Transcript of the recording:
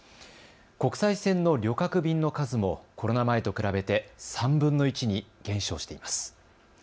国際線の旅客便の数もコロナ前と比べて３分の１に減少しています。